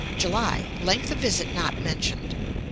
July, length of visit not mentioned.